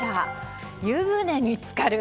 湯船につかる。